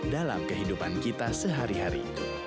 dalam kehidupan kita sehari hari